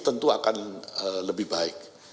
tentu akan lebih besar